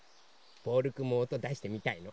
ボールくんもおとだしてみたいの？